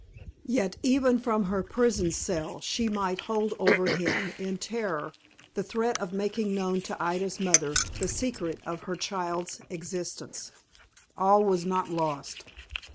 Yet even from her prison cell she might hold over him in terrorem the threat of making known to Ida's mother the secret of her child's existence. All was not lost.